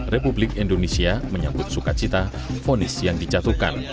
republik indonesia menyambut sukacita fonis yang dijatuhkan